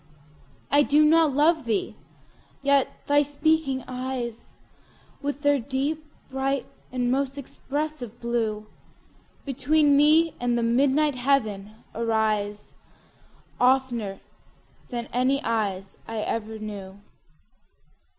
I do not love thee!—yet thy speaking eyes, With their deep, bright, and most expressive blue, Between me and the midnight heaven arise, 15 Oftener than any eyes I ever knew.